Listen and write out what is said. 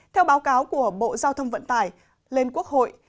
theo báo cáo của bộ giao thông vận tải lên quốc hội